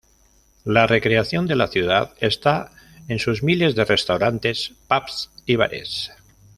La recreación de la ciudad está en sus miles de restaurantes, pubs y bares.